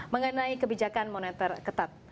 mengenai kebijakan moneter ketat